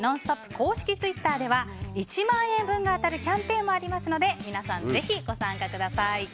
公式ツイッターでは１万円分が当たるキャンペーンもありますので皆さん、ぜひご参加ください。